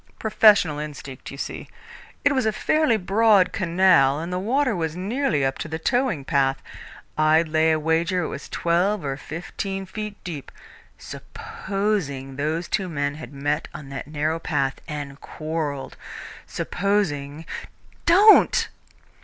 Professional instinct, you see. It was a fairly broad canal, and the water was nearly up to the towing path. I'd lay a wager it was twelve or fifteen feet deep. Supposing those two men had met on that narrow path and quarrelled! Supposing " "Don't!"